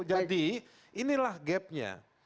jadi inilah gapnya